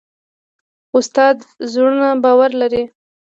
استاد د زړونو باور لري.